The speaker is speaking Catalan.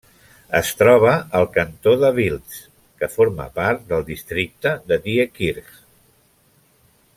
Es troba al cantó de Wiltz, que forma part del districte de Diekirch.